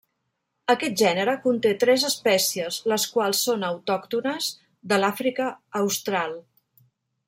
Aquest gènere conté tres espècies, les quals són autòctones de l'Àfrica Austral.